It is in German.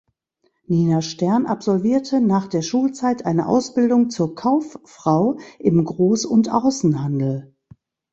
Nina Stern absolvierte nach der Schulzeit eine Ausbildung zur Kauffrau im Groß- und Außenhandel.